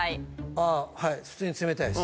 ああはい普通に冷たいです。